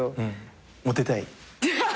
モテたい？